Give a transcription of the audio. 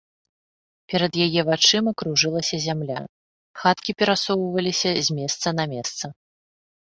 Перад яе вачыма кружылася зямля, хаткі перасоўваліся з месца на месца.